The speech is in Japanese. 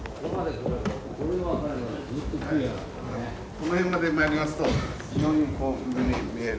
この辺まで参りますと非常にこう見える。